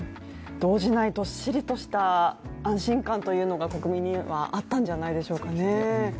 動じない、どっしりとした安心感というのが国民にはあったんではないでしょうかね。